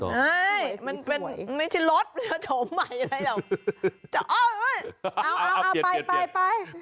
เฮ้ยมันเป็นไม่ใช่รสโฉมใหม่อะไรหรอก